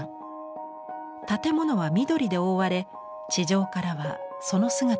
建物は緑で覆われ地上からはその姿が見えません。